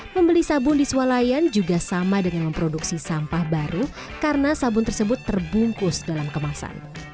membeli sabun di swalayan juga sama dengan memproduksi sampah baru karena sabun tersebut terbungkus dalam kemasan